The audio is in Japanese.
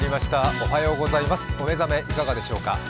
お目覚めいかがでしょうか。